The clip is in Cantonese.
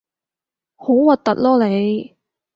好核突囉你